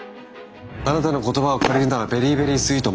あなたの言葉を借りるならベリーベリースイート。